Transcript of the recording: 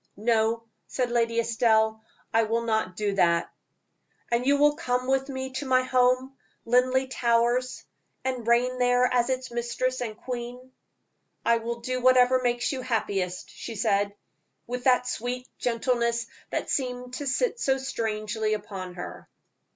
"No," said Lady Estelle, "I will not do that." "And you will come with me to my home, Linleigh Towers, and reign there as its mistress and queen?" "I will do whatever makes you happiest," she said, with that sweet gentleness that seemed to sit so strangely upon her.